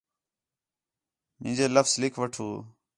مینج لفظ لِکھ وٹھو